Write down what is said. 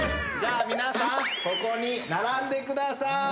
じゃあ皆さんここに並んでください。